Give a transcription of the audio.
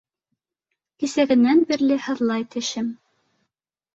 Кисәгенән бирле һыҙлай тешем.